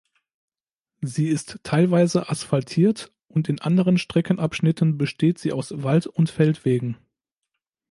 Sie ist teilweise asphaltiert und in anderen Streckenabschnitten besteht sie aus Wald- und Feldwegen.